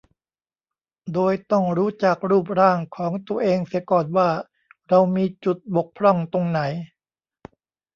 โดยต้องรู้จักรูปร่างของตัวเองเสียก่อนว่าเรามีจุดบกพร่องตรงไหน